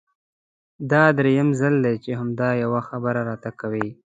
دا درېيم ځل دی چې همدا يوه خبره راته کوې!